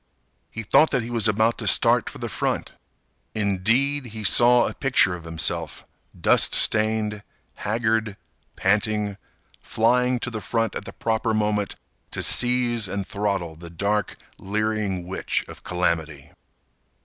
He thought that he was about to start for the front. Indeed, he saw a picture of himself, dust stained, haggard, panting, flying to the front at the proper moment to seize and throttle the dark, leering witch of calamity.